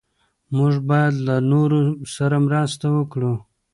موږ باید له نورو سره مرسته وکړو.